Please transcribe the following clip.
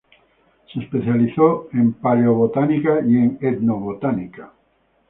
Se especializó en paleobotánica y en etnobotánica.